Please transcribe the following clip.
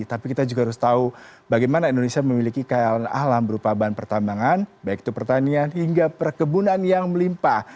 tapi kita juga harus tahu bagaimana indonesia memiliki kekayaan alam berupa bahan pertambangan baik itu pertanian hingga perkebunan yang melimpa